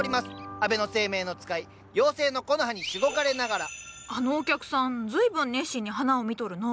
安倍晴明の使い妖精のコノハにしごかれながらあのお客さん随分熱心に花を見とるのう。